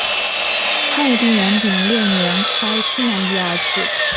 汉武帝元鼎六年开西南夷而置。